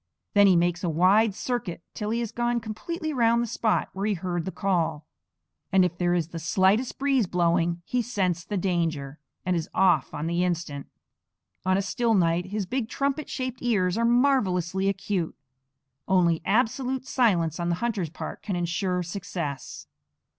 Then he makes a wide circuit till he has gone completely round the spot where he heard the call; and if there is the slightest breeze blowing he scents the danger, and is off on the instant. On a still night his big trumpet shaped ears are marvelously acute. Only absolute silence on the hunter's part can insure success.